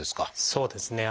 そうですね。